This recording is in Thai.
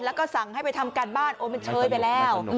แล้วก็สั่งให้ไปทำการบ้านโอ้มันเชยไปแล้ว